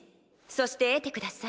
そして得て下さい。